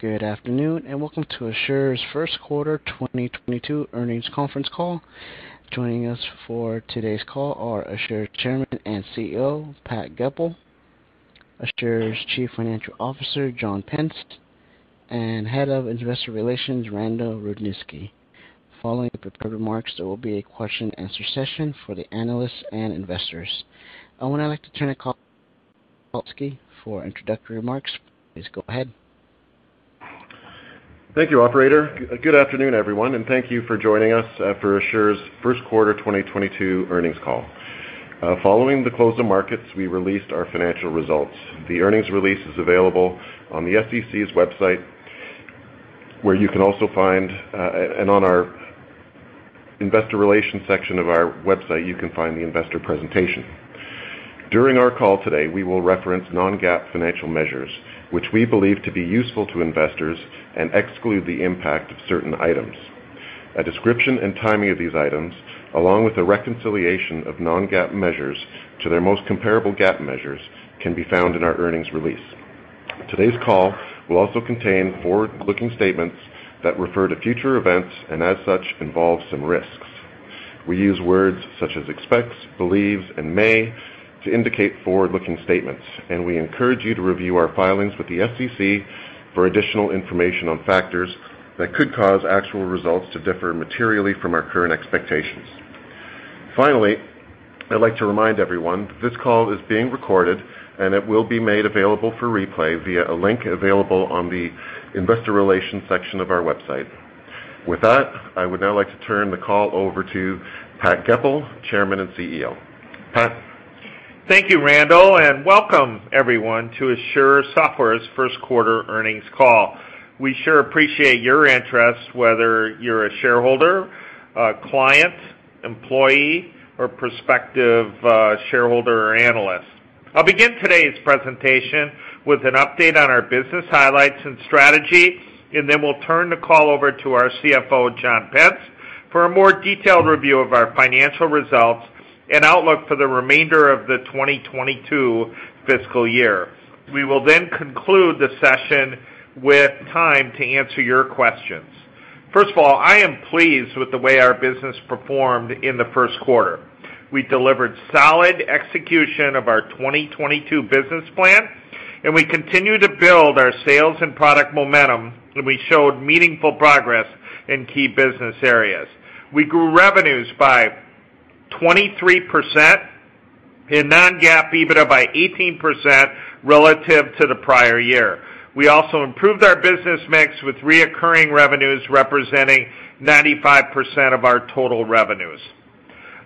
Good afternoon, and welcome to Asure's First Quarter 2022 Earnings Conference Call. Joining us for today's call are Asure Chairman and CEO, Pat Goepel, Asure's Chief Financial Officer, John Pence, and Head of Investor Relations, Randal Rudniski. Following the prepared remarks, there will be a question and answer session for the analysts and investors. I would now like to turn the call over to Randal Rudniski for introductory remarks. Please go ahead. Thank you, operator. Good afternoon, everyone, and thank you for joining us for Asure's First Quarter 2022 Earnings Call. Following the close of markets, we released our financial results. The earnings release is available on the SEC's website. On our investor relations section of our website, you can find the investor presentation. During our call today, we will reference non-GAAP financial measures, which we believe to be useful to investors and exclude the impact of certain items. A description and timing of these items, along with the reconciliation of non-GAAP measures to their most comparable GAAP measures, can be found in our earnings release. Today's call will also contain forward-looking statements that refer to future events and, as such, involve some risks. We use words such as expects, believes, and may to indicate forward-looking statements, and we encourage you to review our filings with the SEC for additional information on factors that could cause actual results to differ materially from our current expectations. Finally, I'd like to remind everyone that this call is being recorded, and it will be made available for replay via a link available on the investor relations section of our website. With that, I would now like to turn the call over to Pat Goepel, Chairman and CEO. Pat. Thank you, Randall, and welcome everyone to Asure Software's first quarter earnings call. We sure appreciate your interest, whether you're a shareholder, a client, employee, or prospective shareholder or analyst. I'll begin today's presentation with an update on our business highlights and strategy, and then we'll turn the call over to our CFO, John Pence, for a more detailed review of our financial results and outlook for the remainder of the 2022 fiscal year. We will then conclude the session with time to answer your questions. First of all, I am pleased with the way our business performed in the first quarter. We delivered solid execution of our 2022 business plan, and we continue to build our sales and product momentum, and we showed meaningful progress in key business areas. We grew revenues by 23% and non-GAAP EBITDA by 18% relative to the prior year. We also improved our business mix with recurring revenues representing 95% of our total revenues.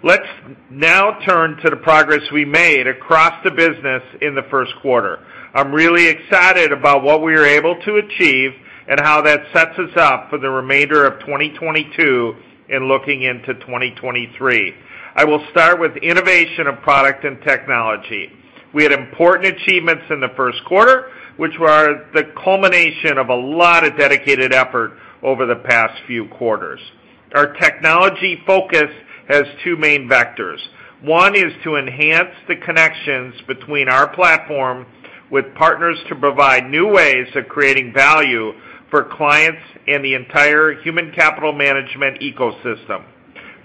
Let's now turn to the progress we made across the business in the first quarter. I'm really excited about what we were able to achieve and how that sets us up for the remainder of 2022 and looking into 2023. I will start with innovation of product and technology. We had important achievements in the first quarter, which were the culmination of a lot of dedicated effort over the past few quarters. Our technology focus has two main vectors. One is to enhance the connections between our platform with partners to provide new ways of creating value for clients in the entire human capital management ecosystem.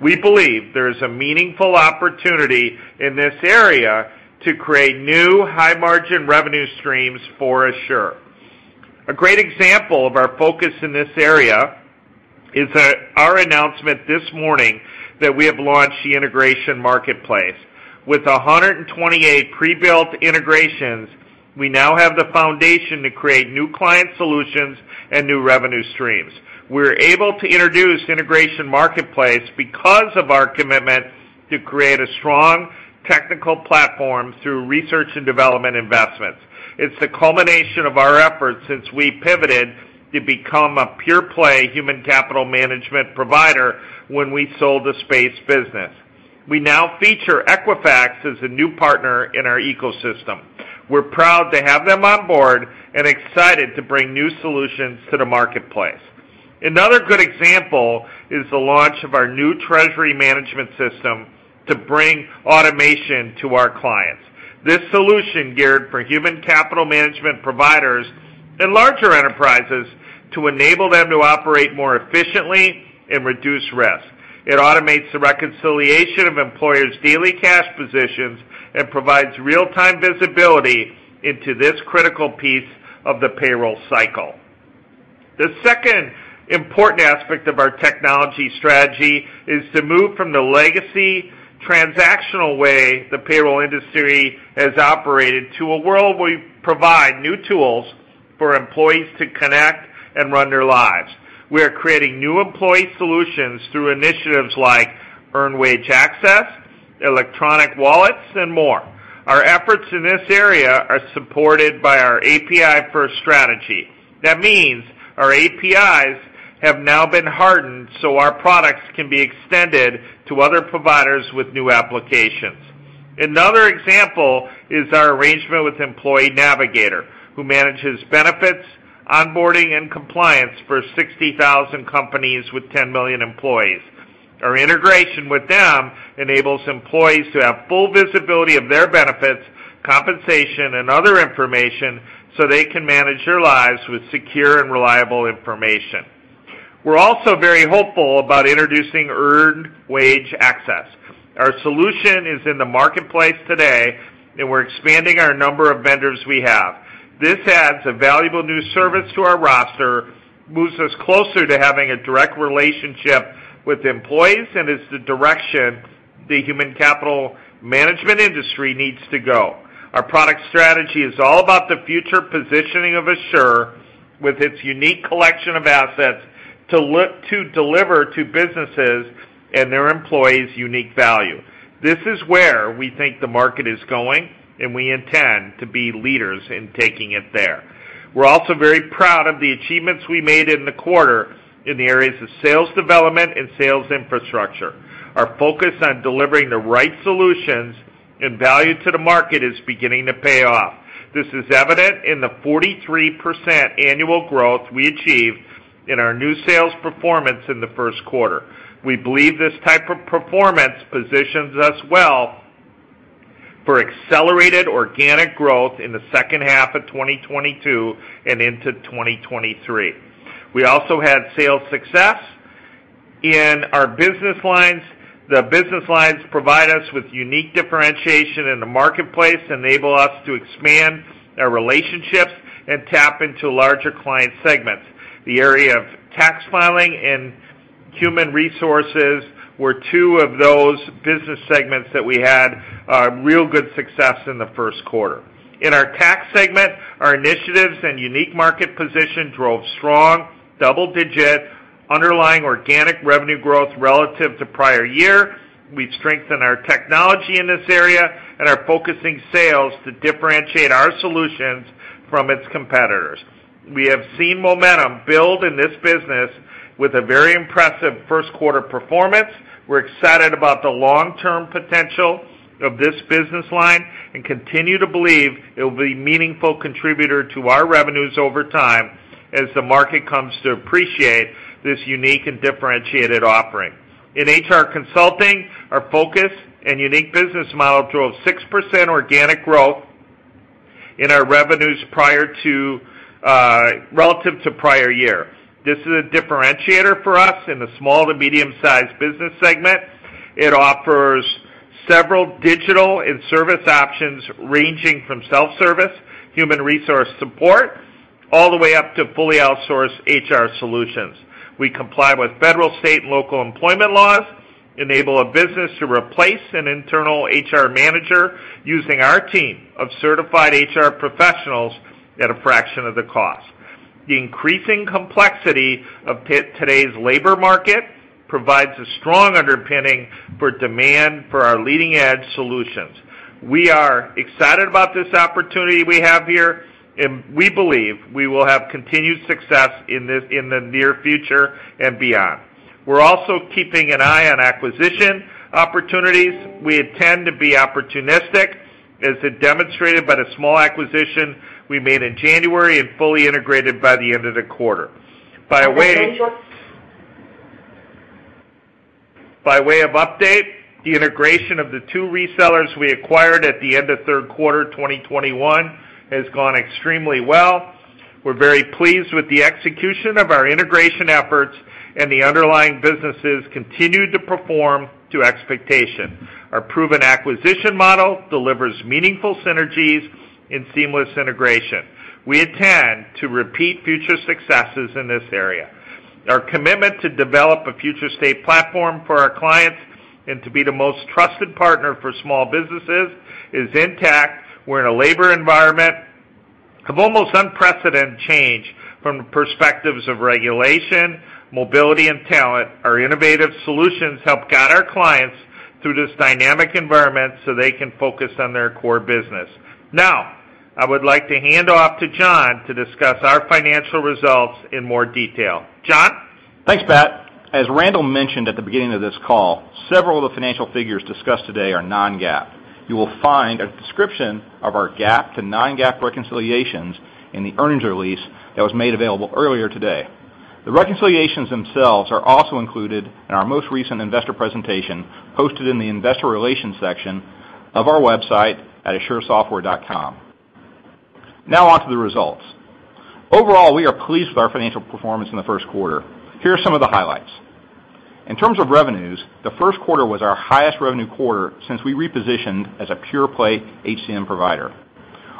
We believe there is a meaningful opportunity in this area to create new high-margin revenue streams for Asure. A great example of our focus in this area is our announcement this morning that we have launched the Integration Marketplace. With 128 pre-built integrations, we now have the foundation to create new client solutions and new revenue streams. We're able to introduce Integration Marketplace because of our commitment to create a strong technical platform through research and development investments. It's the culmination of our efforts since we pivoted to become a pure play human capital management provider when we sold the space business. We now feature Equifax as a new partner in our ecosystem. We're proud to have them on board and excited to bring new solutions to the marketplace. Another good example is the launch of our new Treasury Management System to bring automation to our clients. This solution geared for human capital management providers and larger enterprises to enable them to operate more efficiently and reduce risk. It automates the reconciliation of employers' daily cash positions and provides real-time visibility into this critical piece of the payroll cycle. The second important aspect of our technology strategy is to move from the legacy transactional way the payroll industry has operated to a world where we provide new tools for employees to connect and run their lives. We are creating new employee solutions through initiatives like earned wage access, electronic wallets, and more. Our efforts in this area are supported by our API first strategy. That means our APIs have now been hardened so our products can be extended to other providers with new applications. Another example is our arrangement with Employee Navigator, who manages benefits, onboarding, and compliance for 60,000 companies with 10 million employees. Our integration with them enables employees to have full visibility of their benefits, compensation, and other information, so they can manage their lives with secure and reliable information. We're also very hopeful about introducing earned wage access. Our solution is in the marketplace today, and we're expanding our number of vendors we have. This adds a valuable new service to our roster, moves us closer to having a direct relationship with employees, and is the direction the human capital management industry needs to go. Our product strategy is all about the future positioning of Asure with its unique collection of assets to deliver to businesses and their employees unique value. This is where we think the market is going, and we intend to be leaders in taking it there. We're also very proud of the achievements we made in the quarter in the areas of sales development and sales infrastructure. Our focus on delivering the right solutions and value to the market is beginning to pay off. This is evident in the 43% annual growth we achieved in our new sales performance in the first quarter. We believe this type of performance positions us well for accelerated organic growth in the second half of 2022 and into 2023. We also had sales success in our business lines. The business lines provide us with unique differentiation in the marketplace, enable us to expand our relationships, and tap into larger client segments. The area of tax filing and human resources were two of those business segments that we had real good success in the first quarter. In our tax segment, our initiatives and unique market position drove strong, double-digit underlying organic revenue growth relative to prior year. We've strengthened our technology in this area and are focusing sales to differentiate our solutions from its competitors. We have seen momentum build in this business with a very impressive first quarter performance. We're excited about the long-term potential of this business line and continue to believe it will be a meaningful contributor to our revenues over time as the market comes to appreciate this unique and differentiated offering. In HR consulting, our focus and unique business model drove 6% organic growth in our revenues relative to prior year. This is a differentiator for us in the small to medium-sized business segment. It offers several digital and service options ranging from self-service, human resource support, all the way up to fully outsourced HR solutions. We comply with federal, state, and local employment laws, enable a business to replace an internal HR manager using our team of certified HR professionals at a fraction of the cost. The increasing complexity of today's labor market provides a strong underpinning for demand for our leading-edge solutions. We are excited about this opportunity we have here, and we believe we will have continued success in the near future and beyond. We're also keeping an eye on acquisition opportunities. We intend to be opportunistic, as demonstrated by the small acquisition we made in January and fully integrated by the end of the quarter. By way of update, the integration of the two resellers we acquired at the end of third quarter 2021 has gone extremely well. We're very pleased with the execution of our integration efforts, and the underlying businesses continue to perform to expectation. Our proven acquisition model delivers meaningful synergies and seamless integration. We intend to repeat future successes in this area. Our commitment to develop a future state platform for our clients and to be the most trusted partner for small businesses is intact. We're in a labor environment of almost unprecedented change from the perspectives of regulation, mobility, and talent. Our innovative solutions help guide our clients through this dynamic environment so they can focus on their core business. Now, I would like to hand off to John to discuss our financial results in more detail. John? Thanks, Pat. As Randall mentioned at the beginning of this call, several of the financial figures discussed today are non-GAAP. You will find a description of our GAAP to non-GAAP reconciliations in the earnings release that was made available earlier today. The reconciliations themselves are also included in our most recent investor presentation, hosted in the investor relations section of our website at asuresoftware.com. Now onto the results. Overall, we are pleased with our financial performance in the first quarter. Here are some of the highlights. In terms of revenues, the first quarter was our highest revenue quarter since we repositioned as a pure-play HCM provider.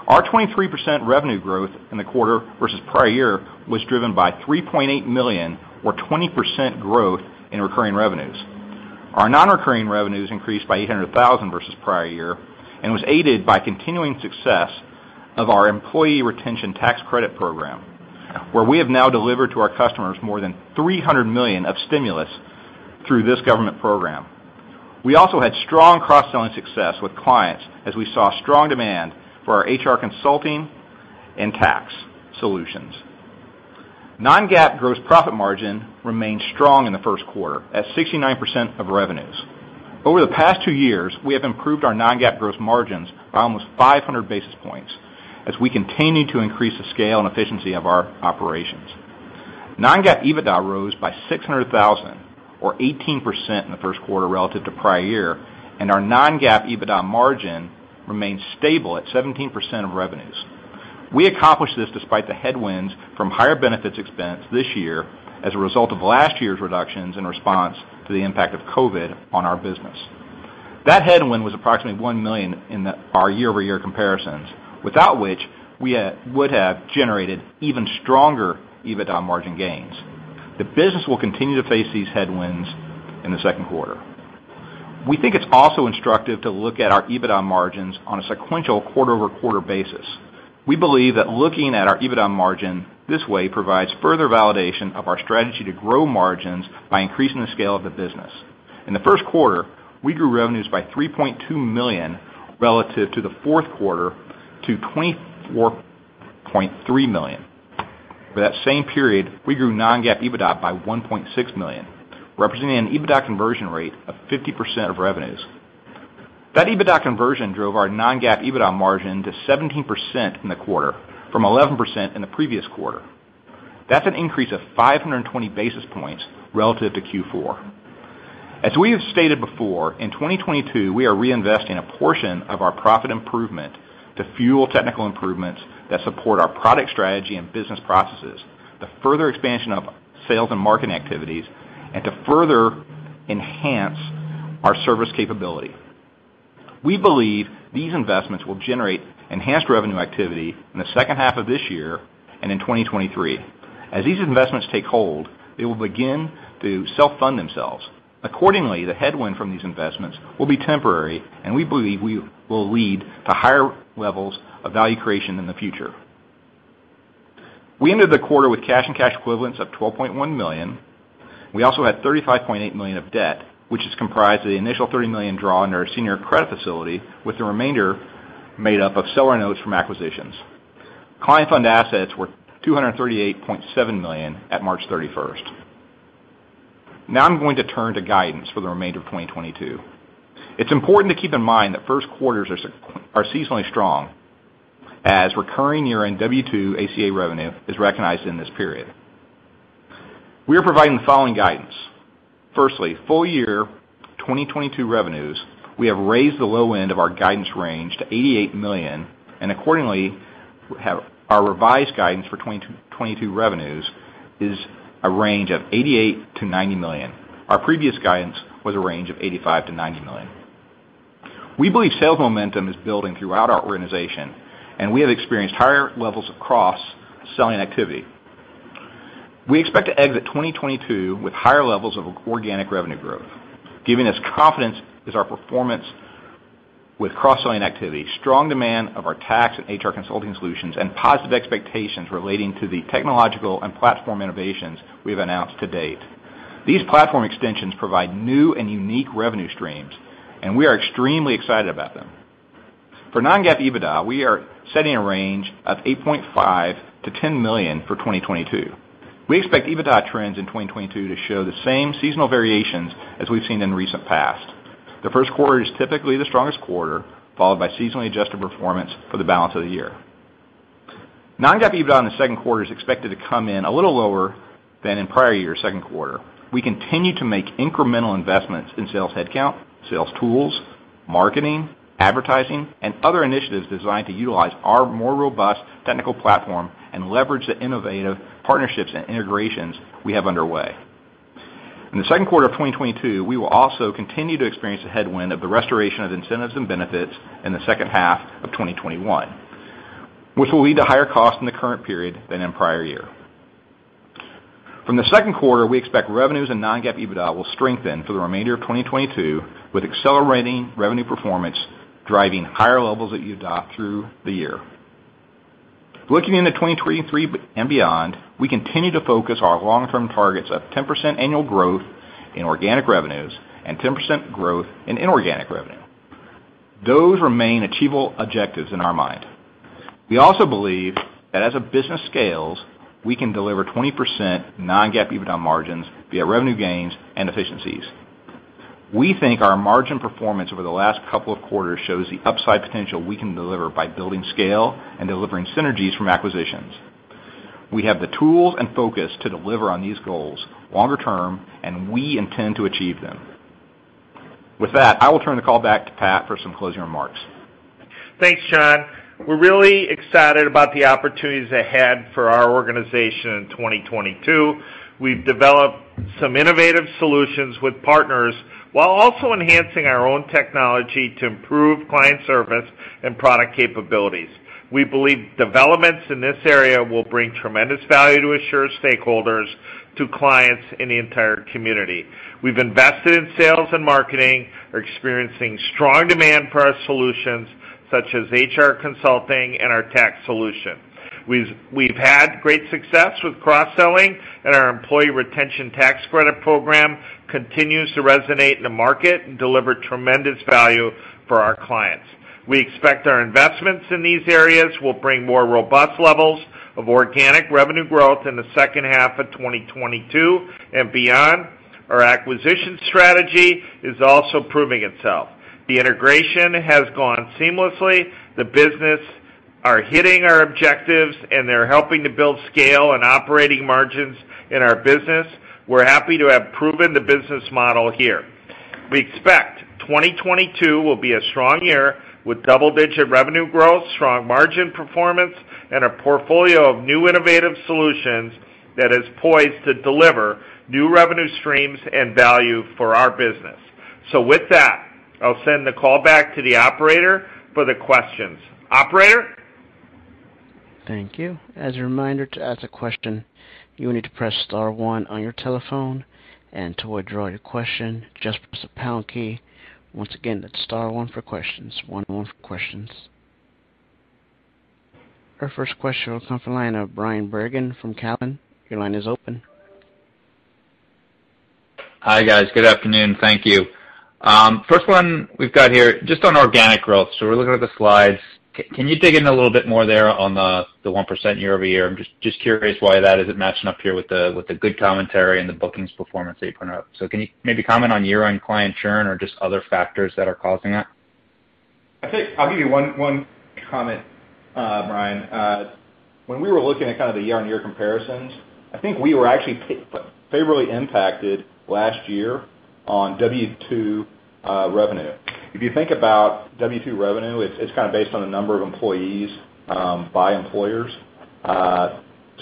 Our 23% revenue growth in the quarter versus prior year was driven by $3.8 million or 20% growth in recurring revenues. Our non-recurring revenues increased by $800,000 versus prior year and was aided by continuing success of our Employee Retention Tax Credit program, where we have now delivered to our customers more than $300 million of stimulus through this government program. We also had strong cross-selling success with clients as we saw strong demand for our HR consulting and tax solutions. Non-GAAP gross profit margin remained strong in the first quarter at 69% of revenues. Over the past two years, we have improved our non-GAAP gross margins by almost 500 basis points as we continue to increase the scale and efficiency of our operations. Non-GAAP EBITDA rose by $600,000, or 18% in the first quarter relative to prior year, and our non-GAAP EBITDA margin remains stable at 17% of revenues. We accomplished this despite the headwinds from higher benefits expense this year as a result of last year's reductions in response to the impact of COVID on our business. That headwind was approximately $1 million in our year-over-year comparisons, without which we would have generated even stronger EBITDA margin gains. The business will continue to face these headwinds in the second quarter. We think it's also instructive to look at our EBITDA margins on a sequential quarter-over-quarter basis. We believe that looking at our EBITDA margin this way provides further validation of our strategy to grow margins by increasing the scale of the business. In the first quarter, we grew revenues by $3.2 million relative to the fourth quarter to $24.3 million. For that same period, we grew non-GAAP EBITDA by $1.6 million, representing an EBITDA conversion rate of 50% of revenues. That EBITDA conversion drove our non-GAAP EBITDA margin to 17% in the quarter from 11% in the previous quarter. That's an increase of 520 basis points relative to Q4. As we have stated before, in 2022, we are reinvesting a portion of our profit improvement to fuel technical improvements that support our product strategy and business processes, the further expansion of sales and marketing activities, and to further enhance our service capability. We believe these investments will generate enhanced revenue activity in the second half of this year and in 2023. As these investments take hold, they will begin to self-fund themselves. Accordingly, the headwind from these investments will be temporary, and we believe we will lead to higher levels of value creation in the future. We ended the quarter with cash and cash equivalents of $12.1 million. We also had $35.8 million of debt, which is comprised of the initial $30 million drawn in our senior credit facility, with the remainder made up of seller notes from acquisitions. Client fund assets were $238.7 million at March 31st. Now I'm going to turn to guidance for the remainder of 2022. It's important to keep in mind that first quarters are seasonally strong as recurring year-end W-2 ACA revenue is recognized in this period. We are providing the following guidance. Firstly, full year 2022 revenues, we have raised the low end of our guidance range to $88 million, and accordingly, our revised guidance for 2022 revenues is a range of $88-$90 million. Our previous guidance was a range of $85-$90 million. We believe sales momentum is building throughout our organization, and we have experienced higher levels across selling activity. We expect to exit 2022 with higher levels of organic revenue growth. Giving us confidence is our performance with cross-selling activity, strong demand of our tax and HR consulting solutions, and positive expectations relating to the technological and platform innovations we have announced to date. These platform extensions provide new and unique revenue streams, and we are extremely excited about them. For non-GAAP EBITDA, we are setting a range of $8.5-$10 million for 2022. We expect EBITDA trends in 2022 to show the same seasonal variations as we've seen in recent past. The first quarter is typically the strongest quarter, followed by seasonally adjusted performance for the balance of the year. Non-GAAP EBITDA in the second quarter is expected to come in a little lower than in prior year second quarter. We continue to make incremental investments in sales headcount, sales tools, marketing, advertising, and other initiatives designed to utilize our more robust technical platform and leverage the innovative partnerships and integrations we have underway. In the second quarter of 2022, we will also continue to experience the headwind of the restoration of incentives and benefits in the second half of 2021, which will lead to higher costs in the current period than in prior year. From the second quarter, we expect revenues and non-GAAP EBITDA will strengthen for the remainder of 2022, with accelerating revenue performance driving higher levels of EBITDA through the year. Looking into 2023 and beyond, we continue to focus our long-term targets of 10% annual growth in organic revenues and 10% growth in inorganic revenue. Those remain achievable objectives in our mind. We also believe that as a business scales, we can deliver 20% non-GAAP EBITDA margins via revenue gains and efficiencies. We think our margin performance over the last couple of quarters shows the upside potential we can deliver by building scale and delivering synergies from acquisitions. We have the tools and focus to deliver on these goals longer term, and we intend to achieve them. With that, I will turn the call back to Pat for some closing remarks. Thanks, John. We're really excited about the opportunities ahead for our organization in 2022. We've developed some innovative solutions with partners while also enhancing our own technology to improve client service and product capabilities. We believe developments in this area will bring tremendous value to Asure stakeholders, to clients, and the entire community. We've invested in sales and marketing. We're experiencing strong demand for our solutions, such as HR consulting and our tax solution. We've had great success with cross-selling, and our employee retention tax credit program continues to resonate in the market and deliver tremendous value for our clients. We expect our investments in these areas will bring more robust levels of organic revenue growth in the second half of 2022 and beyond. Our acquisition strategy is also proving itself. The integration has gone seamlessly. The business are hitting our objectives, and they're helping to build scale and operating margins in our business. We're happy to have proven the business model here. We expect 2022 will be a strong year with double-digit revenue growth, strong margin performance, and a portfolio of new innovative solutions that is poised to deliver new revenue streams and value for our business. With that, I'll send the call back to the operator for the questions. Operator? Thank you. As a reminder, to ask a question, you will need to press star one on your telephone. To withdraw your question, just press the pound key. Once again, that's star one for questions. Star one for questions. Our first question will come from the line of Bryan Bergin from Cowen. Your line is open. Hi, guys. Good afternoon. Thank you. First one we've got here, just on organic growth. We're looking at the slides. Can you dig in a little bit more there on the 1% year-over-year? I'm just curious why that isn't matching up here with the good commentary and the bookings performance that you pointed out. Can you maybe comment on year-end client churn or just other factors that are causing that? I think I'll give you one comment, Bryan. When we were looking at kind of the year-on-year comparisons, I think we were actually favorably impacted last year on W-2 revenue. If you think about W-2 revenue, it's kind of based on the number of employees by employers.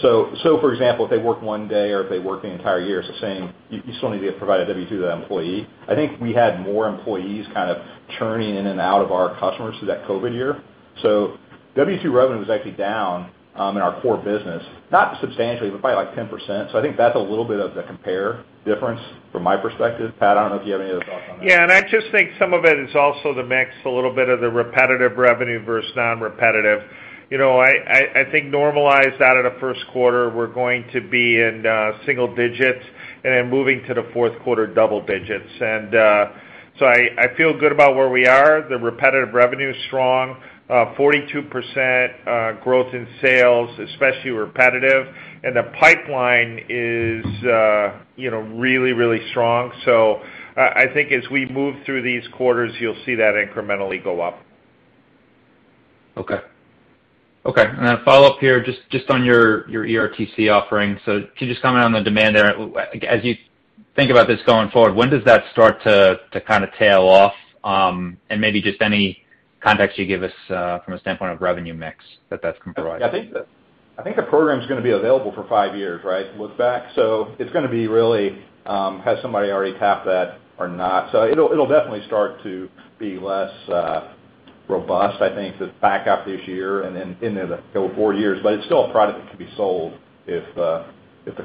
For example, if they work one day or if they work the entire year, it's the same. You still need to provide a W-2 to that employee. I think we had more employees kind of churning in and out of our customers through that COVID year. W-2 revenue was actually down in our core business, not substantially, but probably like 10%. I think that's a little bit of the compare difference from my perspective. Pat, I don't know if you have any other thoughts on that. Yeah. I just think some of it is also the mix, a little bit of the repetitive revenue versus non-repetitive. You know, I think normalized out of the first quarter, we're going to be in single digits and then moving to the fourth quarter double digits. I feel good about where we are. The repetitive revenue is strong, 42% growth in sales, especially repetitive. The pipeline is, you know, really, really strong. I think as we move through these quarters, you'll see that incrementally go up. Okay. Follow up here just on your ERTC offering. Can you just comment on the demand there? As you think about this going forward, when does that start to kinda tail off? Maybe just any context you give us from a standpoint of revenue mix that's comprised. I think the program's gonna be available for five years, right? Look back. It's gonna be really, has somebody already tapped that or not? It'll definitely start to be less robust, I think, the back half of this year and then into the four years. It's still a product that can be sold if the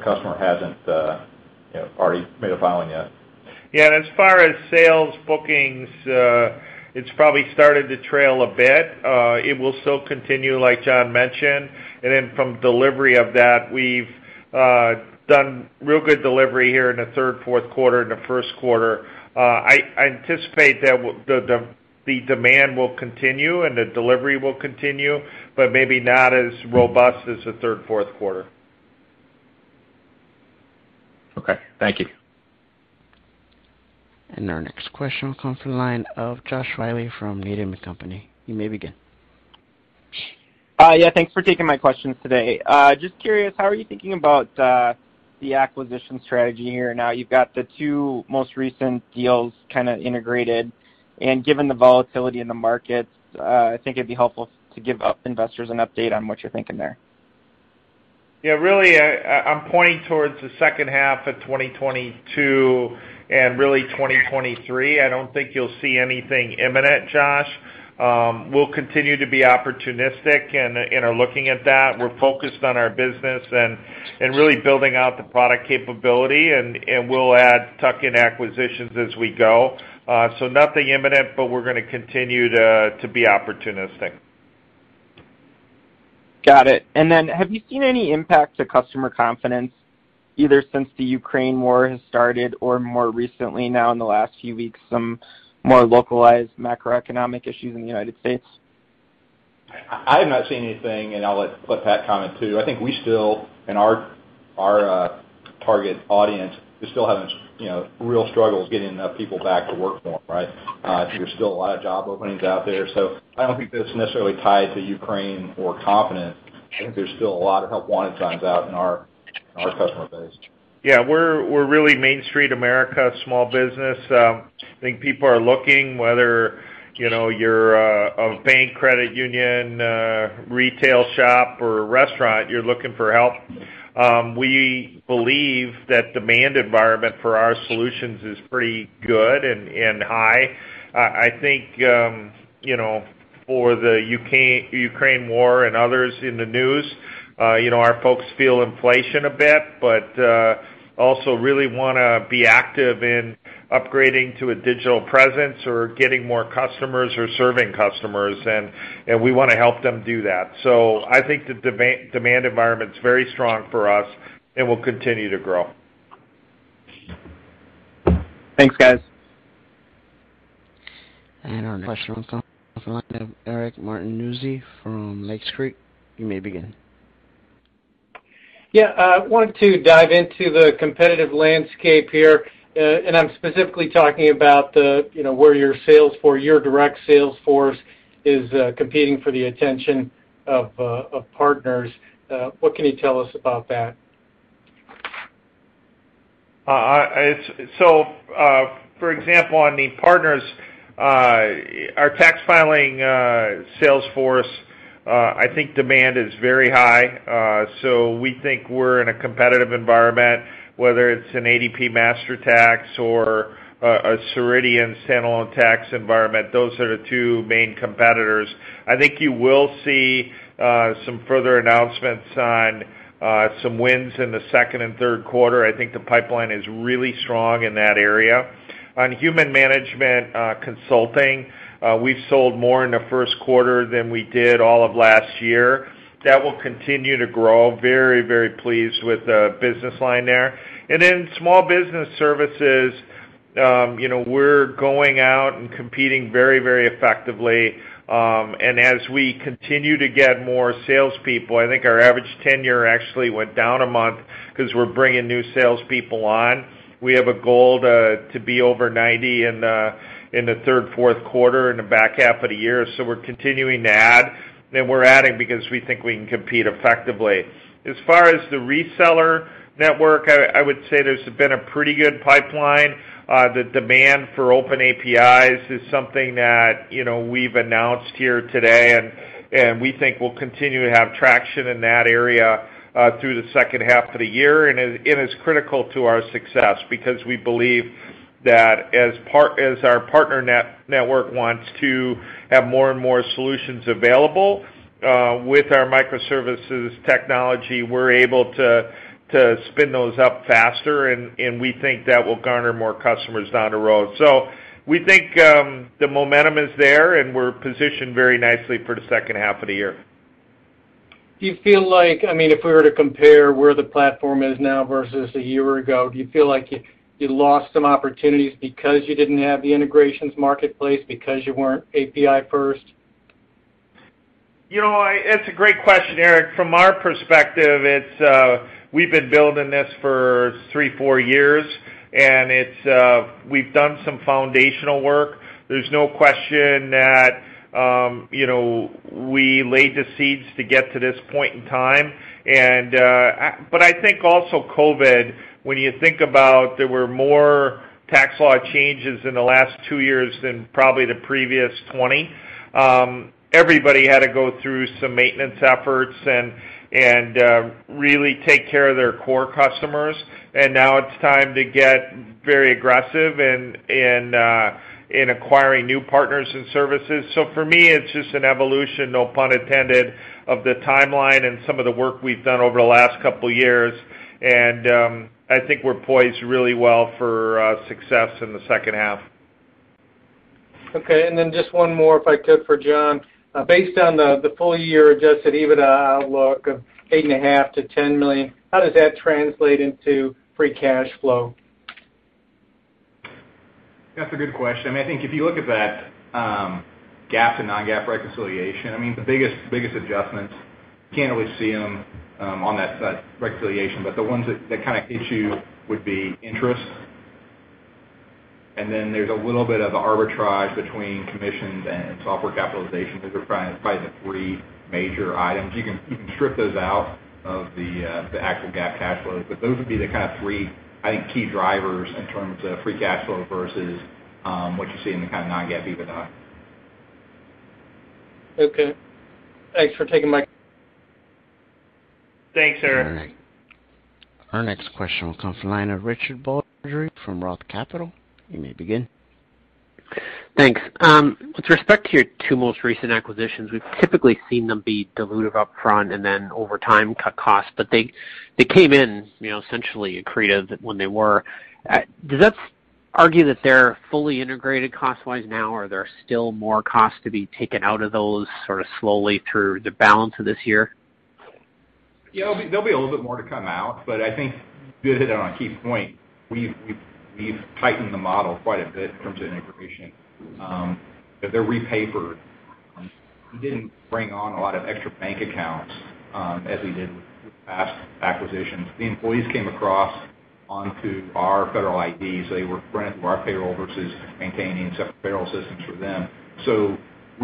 customer hasn't, you know, already made a filing yet. Yeah. As far as sales bookings, it's probably started to trail a bit. It will still continue, like John mentioned. Then from delivery of that, we've done real good delivery here in the third, fourth quarter, and the first quarter. I anticipate that the demand will continue and the delivery will continue, but maybe not as robust as the third, fourth quarter. Okay, thank you. Our next question comes from the line of Josh Reilly from Needham & Company. You may begin. Yeah, thanks for taking my questions today. Just curious, how are you thinking about the acquisition strategy here? Now you've got the two most recent deals kinda integrated, and given the volatility in the markets, I think it'd be helpful to give our investors an update on what you're thinking there. Yeah, really, I'm pointing towards the second half of 2022 and really 2023. I don't think you'll see anything imminent, Josh. We'll continue to be opportunistic and are looking at that. We're focused on our business and really building out the product capability and we'll add tuck-in acquisitions as we go. So nothing imminent, but we're gonna continue to be opportunistic. Got it. Have you seen any impact to customer confidence, either since the Ukraine war has started or more recently now in the last few weeks, some more localized macroeconomic issues in the United States? I have not seen anything, and I'll let Pat comment too. I think we still in our target audience, we're still having you know real struggles getting enough people back to work for right? I think there's still a lot of job openings out there, so I don't think that's necessarily tied to Ukraine or confidence. I think there's still a lot of help wanted signs out in our customer base. Yeah, we're really Main Street America, small business. I think people are looking, whether, you know, you're a bank credit union, retail shop or a restaurant, you're looking for help. We believe that demand environment for our solutions is pretty good and high. I think, you know, for the Ukraine war and others in the news, you know, our folks feel inflation a bit, but also really wanna be active in upgrading to a digital presence or getting more customers or serving customers, and we wanna help them do that. I think the demand environment's very strong for us and will continue to grow. Thanks, guys. Our next question will come from the line of Eric Martinuzzi from Lake Street Capital Markets. You may begin. Yeah, I want to dive into the competitive landscape here. I'm specifically talking about the, you know, where your sales for your direct sales force is competing for the attention of partners. What can you tell us about that? For example, on the partners, our tax filing sales force, I think demand is very high. We think we're in a competitive environment, whether it's an ADP MasterTax or a Ceridian standalone tax environment. Those are the two main competitors. I think you will see some further announcements on some wins in the second and third quarter. I think the pipeline is really strong in that area. On HCM consulting, we've sold more in the first quarter than we did all of last year. That will continue to grow. Very, very pleased with the business line there. Then small business services, you know, we're going out and competing very, very effectively. As we continue to get more salespeople, I think our average tenure actually went down a month 'cause we're bringing new salespeople on. We have a goal to be over 90 in the third, fourth quarter in the back half of the year. We're continuing to add, and we're adding because we think we can compete effectively. As far as the reseller network, I would say there's been a pretty good pipeline. The demand for open APIs is something that, you know, we've announced here today, and we think we'll continue to have traction in that area through the second half of the year. It is critical to our success because we believe that as our partner network wants to have more and more solutions available, with our microservices technology, we're able to spin those up faster, and we think that will garner more customers down the road. We think the momentum is there, and we're positioned very nicely for the second half of the year. Do you feel like, I mean, if we were to compare where the platform is now versus a year ago, do you feel like you lost some opportunities because you didn't have the Integration Marketplace, because you weren't API first? You know, it's a great question, Eric. From our perspective, it's we've been building this for three to four years, and it's we've done some foundational work. There's no question that, you know, we laid the seeds to get to this point in time. But I think also COVID, when you think about there were more tax law changes in the last two years than probably the previous 20, everybody had to go through some maintenance efforts and really take care of their core customers. Now it's time to get very aggressive in acquiring new partners and services. For me, it's just an evolution, no pun intended, of the timeline and some of the work we've done over the last couple years. I think we're poised really well for success in the second half. Okay. Just one more, if I could, for John. Based on the full year adjusted EBITDA outlook of $8.5 million-$10 million, how does that translate into free cash flow? That's a good question. I think if you look at that, GAAP to non-GAAP reconciliation, I mean, the biggest adjustments, you can't really see them on that side, reconciliation. The ones that kinda issue would be interest, and then there's a little bit of arbitrage between commissions and software capitalization. Those are probably the three major items. You can strip those out of the actual GAAP cash flows, those would be the kinda three, I think, key drivers in terms of free cash flow versus what you see in the kind of non-GAAP EBITDA. Okay. Thanks for taking my- Thanks, Eric. Our next question will come from the line of Richard Baldry from Roth Capital. You may begin. Thanks. With respect to your two most recent acquisitions, we've typically seen them be dilutive upfront and then over time cut costs. They came in, you know, essentially accretive when they were. Does that argue that they're fully integrated cost-wise now, or are there still more costs to be taken out of those sort of slowly through the balance of this year? Yeah. There'll be a little bit more to come out, but I think you hit on a key point. We've tightened the model quite a bit in terms of integration. They're repapered. We didn't bring on a lot of extra bank accounts, as we did with past acquisitions. The employees came across onto our federal IDs. They were running through our payroll versus maintaining separate payroll systems for them.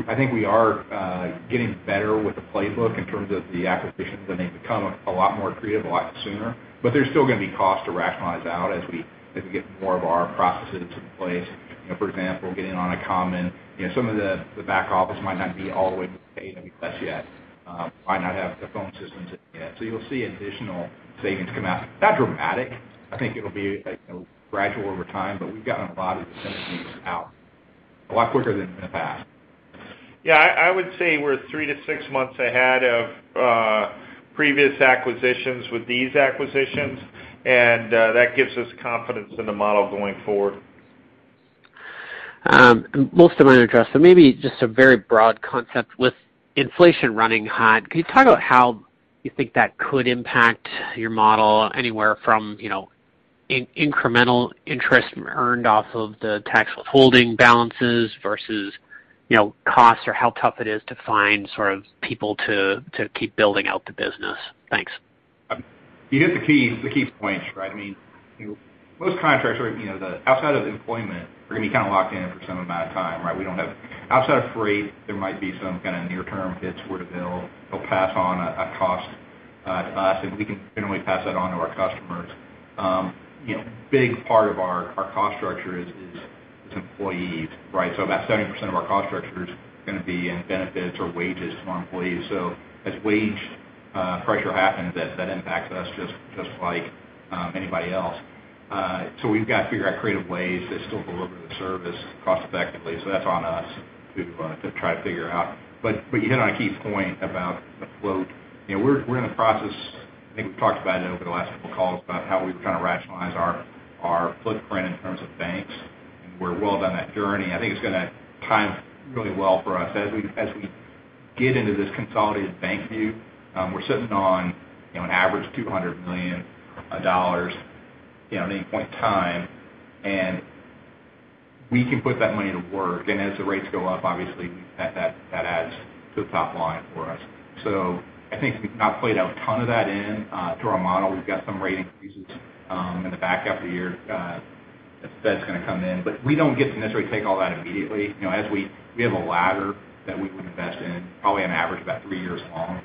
I think we are getting better with the playbook in terms of the acquisitions, and they become a lot more accretive a lot sooner. But there's still gonna be costs to rationalize out as we get more of our processes in place. You know, for example, getting on a common. You know, some of the back office might not be all the way to pay Walmart+ yet, might not have the phone systems in yet. You'll see additional savings come out. Not dramatic. I think it'll be, you know, gradual over time, but we've gotten a lot of the synergies out a lot quicker than in the past. Yeah. I would say we're three to six months ahead of previous acquisitions with these acquisitions, and that gives us confidence in the model going forward. Most of mine are addressed, so maybe just a very broad concept. With inflation running hot, can you talk about how you think that could impact your model anywhere from, you know, incremental interest earned off of the tax withholding balances versus, you know, costs or how tough it is to find sort of people to keep building out the business? Thanks. You hit the key points, right? I mean, most contracts where, you know, the outside of the employment are gonna be kinda locked in for some amount of time, right? We don't have outside of freight, there might be some kinda near-term hits where they'll pass on a cost to us, and we can generally pass that on to our customers. You know, big part of our cost structure is employees, right? About 70% of our cost structure is gonna be in benefits or wages to our employees. As wage pressure happens, that impacts us just like anybody else. We've got to figure out creative ways to still deliver the service cost effectively. That's on us to try to figure out. You hit on a key point about the float. You know, we're in the process, I think we've talked about it over the last couple of calls, about how we were trying to rationalize our footprint in terms of banks, and we're well down that journey. I think it's gonna time really well for us. As we get into this consolidated bank view, we're sitting on, you know, an average $200 million, you know, at any point in time, and we can put that money to work. And as the rates go up, obviously that adds to the top line for us. I think we've not played a ton of that into our model. We've got some rate increases in the back half of the year, that's gonna come in. We don't get to necessarily take all that immediately. You know, as we have a ladder that we can invest in, probably on average about three years long.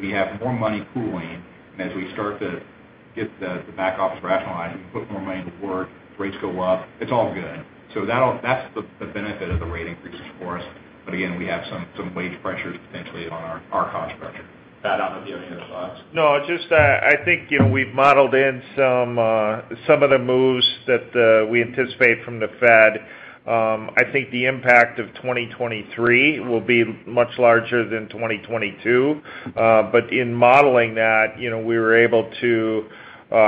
We have more money pooling and as we start to get the back office rationalized and we put more money to work, rates go up, it's all good. That's the benefit of the rate increases for us. Again, we have some wage pressures potentially on our cost structure. Pat, I don't know if you have any other thoughts. No, just, I think, you know, we've modeled in some of the moves that we anticipate from the Fed. I think the impact of 2023 will be much larger than 2022. In modeling that, you know, we were able to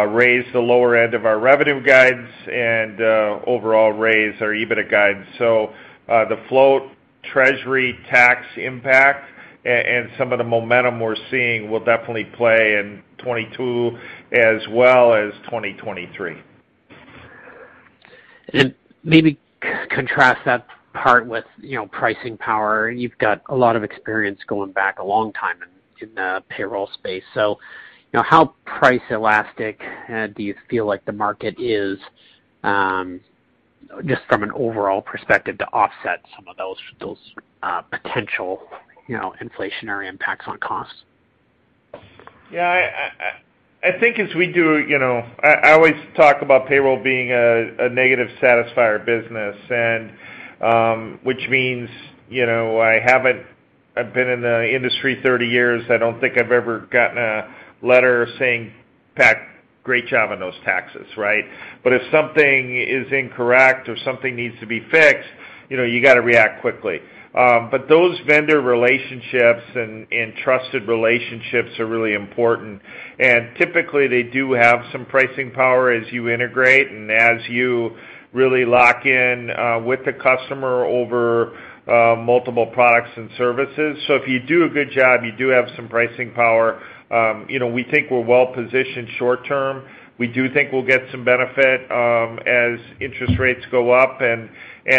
raise the lower end of our revenue guides and overall raise our EBITDA guidance. The float Treasury tax impact and some of the momentum we're seeing will definitely play in 2022 as well as 2023. Maybe contrast that part with, you know, pricing power. You've got a lot of experience going back a long time in the payroll space. You know, how price elastic do you feel like the market is, just from an overall perspective to offset some of those potential, you know, inflationary impacts on costs? Yeah, I think as we do, you know I always talk about payroll being a negative satisfier business, which means, you know, I've been in the industry 30 years, I don't think I've ever gotten a letter saying, "Pat, great job on those taxes," right. If something is incorrect or something needs to be fixed, you know, you gotta react quickly. Those vendor relationships and trusted relationships are really important. Typically, they do have some pricing power as you integrate and as you really lock in with the customer over multiple products and services. If you do a good job, you do have some pricing power. You know, we think we're well positioned short term. We do think we'll get some benefit, as interest rates go up, and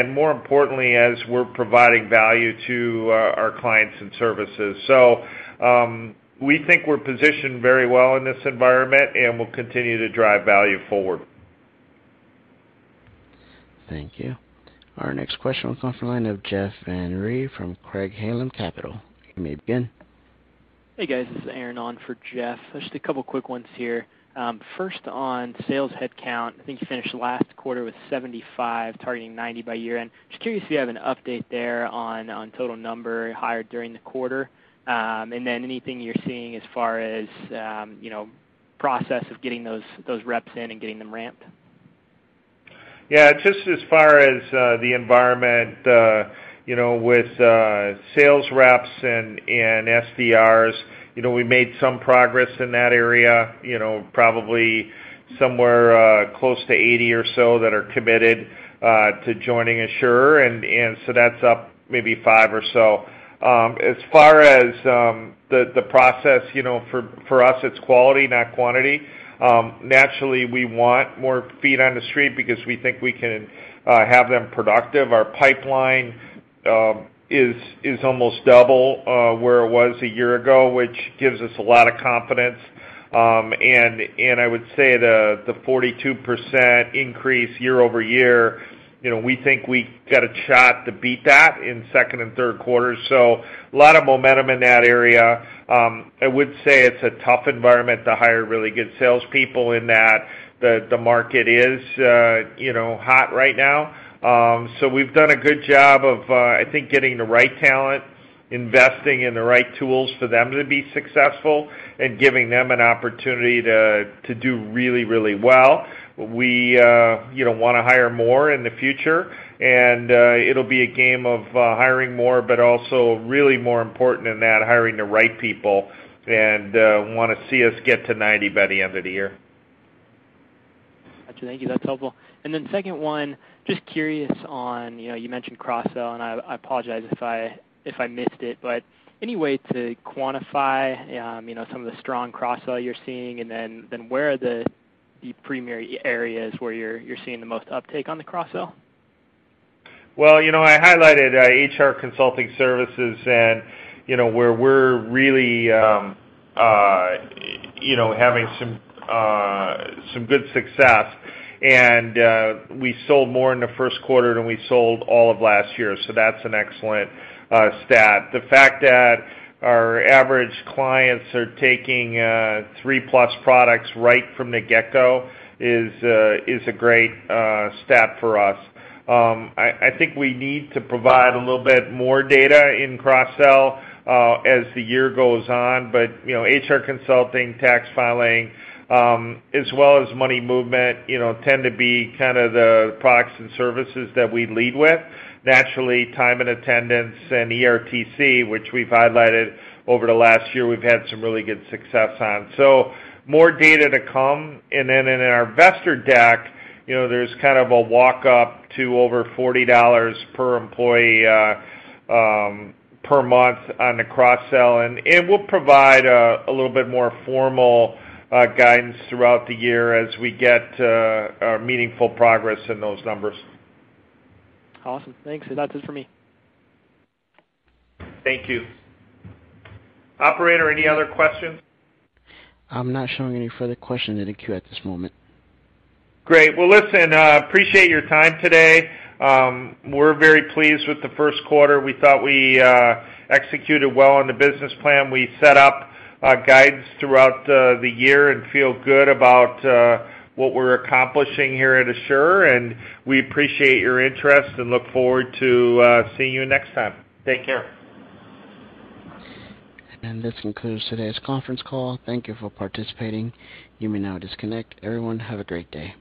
more importantly, as we're providing value to our clients and services. We think we're positioned very well in this environment, and we'll continue to drive value forward. Thank you. Our next question will come from the line of Jeff Van Rhee from Craig-Hallum Capital Group. You may begin. Hey, guys. This is Aaron on for Jeff. Just a couple quick ones here. First on sales headcount. I think you finished last quarter with 75, targeting 90 by year-end. Just curious if you have an update there on total number hired during the quarter. Anything you're seeing as far as, you know, process of getting those reps in and getting them ramped. Yeah. Just as far as the environment, you know, with sales reps and SDRs, you know, we made some progress in that area. You know, probably somewhere close to 80 or so that are committed to joining Asure. That's up maybe five or so. As far as the process, you know, for us, it's quality, not quantity. Naturally, we want more feet on the street because we think we can have them productive. Our pipeline is almost double where it was a year ago, which gives us a lot of confidence. And I would say the 42% increase year-over-year, you know, we think we got a shot to beat that in second and third quarter. A lot of momentum in that area. I would say it's a tough environment to hire really good salespeople, and that the market is, you know, hot right now. We've done a good job of, I think getting the right talent, investing in the right tools for them to be successful, and giving them an opportunity to do really, really well. We, you know, wanna hire more in the future, and it'll be a game of hiring more, but also really more important than that, hiring the right people, and wanna see us get to 90 by the end of the year. Gotcha. Thank you. That's helpful. Second one, just curious on, you know, you mentioned cross-sell, and I apologize if I missed it, but any way to quantify, you know, some of the strong cross-sell you're seeing and then where are the primary areas where you're seeing the most uptake on the cross-sell? Well, you know, I highlighted HR consulting services and, you know, where we're really you know, having some good success. We sold more in the first quarter than we sold all of last year, so that's an excellent stat. The fact that our average clients are taking three plus products right from the get-go is a great stat for us. I think we need to provide a little bit more data in cross-sell as the year goes on. You know, HR consulting, tax filing, as well as money movement, you know, tend to be kind of the products and services that we lead with. Naturally, time and attendance and ERTC, which we've highlighted over the last year, we've had some really good success on. More data to come. In our investor deck, you know, there's kind of a walk up to over $40 per employee per month on the cross-sell, and we'll provide a little bit more formal guidance throughout the year as we get to our meaningful progress in those numbers. Awesome. Thanks. That's it for me. Thank you. Operator, any other questions? I'm not showing any further questions in the queue at this moment. Great. Well, listen, appreciate your time today. We're very pleased with the first quarter. We thought we executed well on the business plan. We set up guidance throughout the year and feel good about what we're accomplishing here at Asure, and we appreciate your interest and look forward to seeing you next time. Take care. This concludes today's conference call. Thank you for participating. You may now disconnect. Everyone, have a great day.